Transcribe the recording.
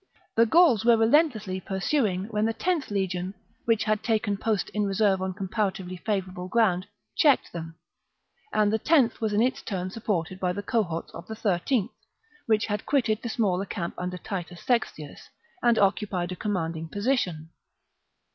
The Gauls were relentlessly pur suing when the loth legion, which had taken post in reserve on comparatively favourable ground, checked them ; and the loth was in its turn supported by the cohorts of the 13 th, which had quitted the smaller camp under Titus Sextius, and occupied a commanding position.